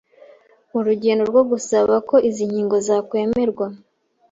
Urugendo rwo gusaba ko izi nkingo zakwemerwa